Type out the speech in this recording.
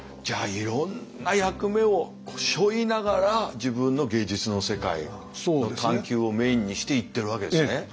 じゃあいろんな役目をしょいながら自分の芸術の世界の探求をメインにして行ってるわけですね。